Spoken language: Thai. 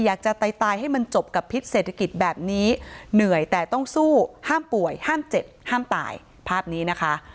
อยากจะตายให้มันจบกับพิษเศรษฐกิจแบบนี้เหนื่อยแต่ต้องสู้ห้ามป่วยห้ามเจ็บห้ามตายภาพนี้นะคะ